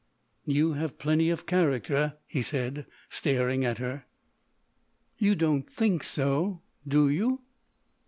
"You have plenty of character," he said, staring; at her. "You don't think so. Do you?"